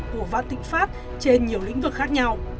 của vã tĩnh pháp trên nhiều lĩnh vực khác nhau